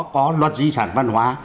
có luật di sản văn hóa